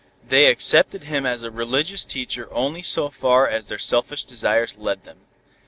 They accepted him as a religious teacher only so far as their selfish desires led them.